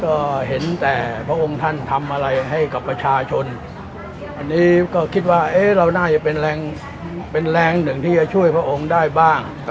ก็เห็นแต่พระองค์ท่านทำอะไรให้กับประชาชนอันนี้ก็คิดว่าเราน่าจะเป็นแรงเป็นแรงหนึ่งที่จะช่วยพระองค์ได้บ้าง